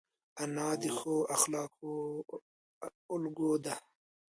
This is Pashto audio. انا د ښو اخلاقو الګو ده